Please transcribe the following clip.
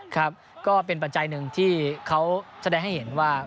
ครับก็เป็นปัจจัยหนึ่งที่เขาแสดงให้เห็นว่า